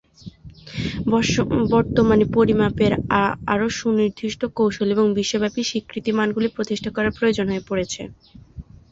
বর্তমানে পরিমাপের আরও সুনির্দিষ্ট কৌশল এবং বিশ্বব্যাপী স্বীকৃত মানগুলি প্রতিষ্ঠা করা প্রয়োজন হয়ে পড়েছে।